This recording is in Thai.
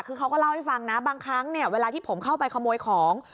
คือเขาก็เล่าให้ฟังนะบางครั้งเนี่ยเวลาที่ผมเข้าไปขโมยของ